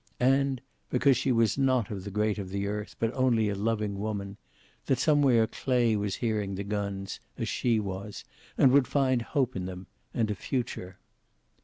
And because she was not of the great of the earth, but only a loving woman that somewhere Clay was hearing the guns, as she was, and would find hope in them, and a future.